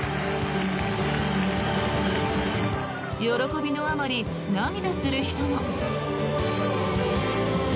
喜びのあまり涙する人も。